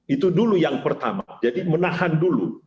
itu dulu yang pertama jadi menahan dulu